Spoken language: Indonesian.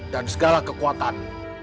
dan segala kekuatan